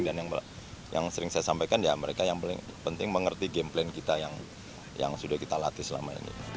dan yang sering saya sampaikan mereka yang paling penting mengerti game plan kita yang sudah kita latih selama ini